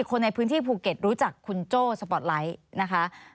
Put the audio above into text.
คนในพื้นที่ภูเก็ตรู้จักคุณโจ้สปอร์ตไลท์นะคะ